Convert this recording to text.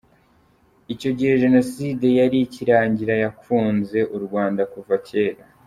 Icyo gihe Jenoside yari ikirangira, yakunze u Rwanda kuva kera.